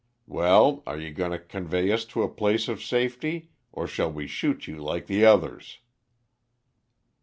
Well, are you going to convey us to a place of safety, or shall we shoot you like the others?'"